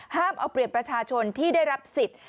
ห้ามเอาเปรียบประชาชนที่ได้รับสิทธิ์